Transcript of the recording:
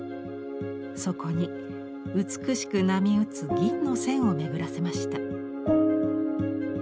そこに美しく波打つ銀の線を巡らせました。